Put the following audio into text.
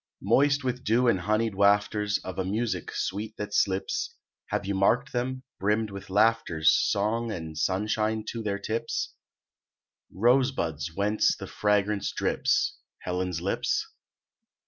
Moist with dew and honied wafters Of a music sweet that slips, Have you marked them, brimmed with laughter's Song and sunshine to their tips, Rose buds whence the fragrance drips, Helen's lips?